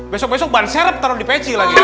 besok besok bahan serep taro di peci lagi ya